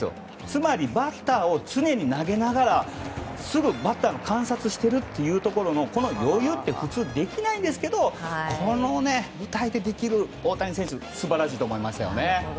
つまり、常に投げながらすぐバッターを観察しているというところの余裕って普通できないんですけどこの舞台でできる大谷選手素晴らしいと思いますよね。